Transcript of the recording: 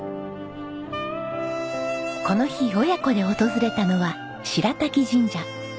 この日親子で訪れたのは白瀧神社。